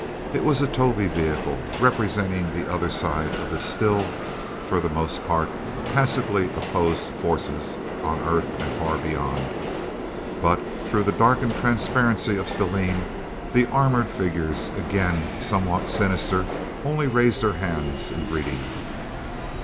It was a Tovie vehicle, representing the other side of the still for the most part passively opposed forces, on Earth, and far beyond. But through the darkened transparency of stellene, the armored figures again somewhat sinister only raised their hands in greeting.